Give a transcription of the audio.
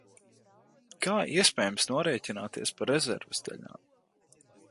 Kā iespējams norēķināties par rezerves daļām?